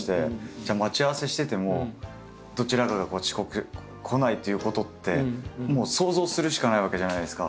じゃあ待ち合わせしててもどちらかが遅刻来ないっていうことってもう想像するしかないわけじゃないですか。